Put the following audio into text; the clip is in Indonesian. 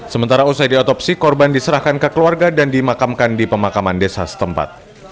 sementara usai diotopsi korban diserahkan ke keluarga dan dimakamkan di pemakaman desa setempat